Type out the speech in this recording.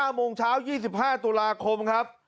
โมงเช้า๒๕ตุลาคมครับ